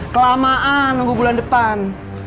kelamaan nunggu bulan depan